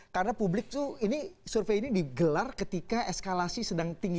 karena publik tuh survei ini digelar ketika eskalasi sedang tinggi